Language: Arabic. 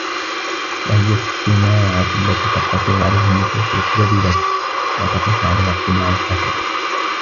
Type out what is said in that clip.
وَهِيَ الصِّنَاعَةُ الَّتِي تَقْتَصِرُ عَلَيْهَا النُّفُوسِ الرَّذِلَةُ ، وَتَقِفُ عَلَيْهَا الطِّبَاعُ الْخَاسِئَةُ